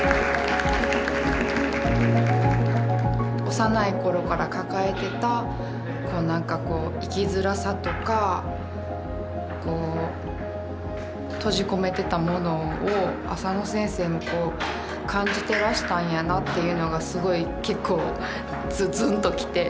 幼い頃から抱えてた何かこう生きづらさとかこう閉じ込めてたものをあさの先生も感じてらしたんやなというのがすごい結構ずずんっときて。